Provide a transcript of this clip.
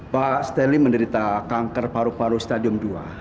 pak stely menderita kanker paru paru stadium dua